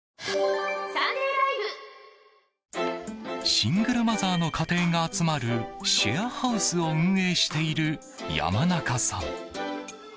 シングルマザーの家庭が集まるシェアハウスを運営している山中さん。